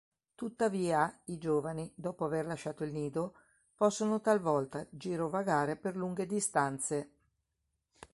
Tuttavia, i giovani, dopo aver lasciato il nido, possono talvolta girovagare per lunghe distanze.